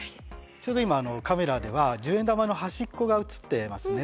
ちょうど今カメラでは十円玉の端っこが映ってますね。